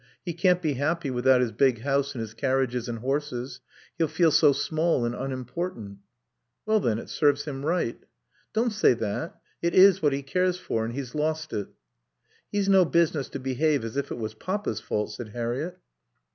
He can't be happy without his big house and his carriages and horses. He'll feel so small and unimportant." "Well, then, it serves him right." "Don't say that. It is what he cares for and he's lost it." "He's no business to behave as if it was Papa's fault," said Harriett.